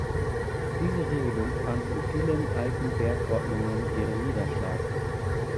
Diese Regelung fand in vielen alten Bergordnungen ihren Niederschlag.